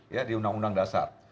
ya di undang undang dasar